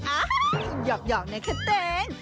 อ้าฮ่าหยอบน่าแค่เต้น